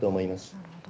なるほど。